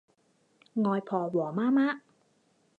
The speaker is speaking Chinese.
外婆和妈妈